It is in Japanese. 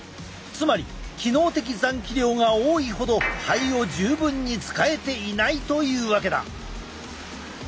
つまり機能的残気量が多いほど肺を十分に使えていないというわけだ。